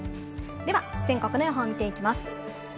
では全国の予報を見ていきます。